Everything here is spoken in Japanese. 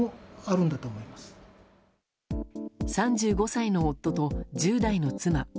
３５歳の夫と１０代の妻。